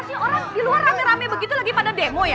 ibu ada apa sih orang di luar rame rame begitu lagi pada demo ya